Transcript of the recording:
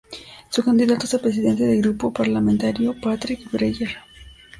Su candidato es el presidente del grupo parlamentario, Patrick Breyer.